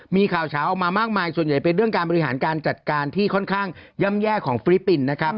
มีข่าวเช้าออกมามากมายส่วนใหญ่เป็นเรื่องการบริหารการจัดการที่ค่อนข้างย่ำแย่ของฟิลิปปินส์นะครับ